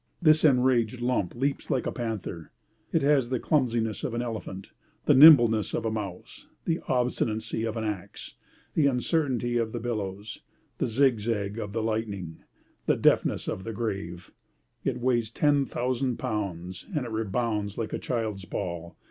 This enraged lump leaps like a panther, it has the clumsiness of an elephant, the nimbleness of a mouse, the obstinacy of an axe, the uncertainty of the billows, the zigzag of the lightning, the deafness of the grave. It weighs ten thousand pounds, and it rebounds like a child's ball.